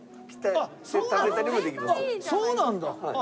あっそうなんだ。